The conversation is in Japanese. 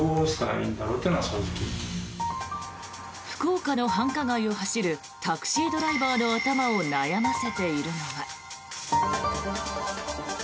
福岡の繁華街を走るタクシードライバーの頭を悩ませているのは。